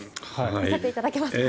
見せていただけますか。